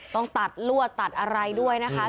ต้องตัดลวดตัดอะไรด้วยนะคะ